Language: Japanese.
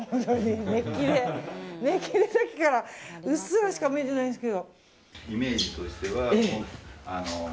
熱気でさっきから、うっすらしか見えてないんです。